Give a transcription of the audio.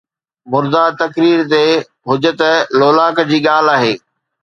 مرده تقرير تي حجت، لولاک جي ڳالهه آهي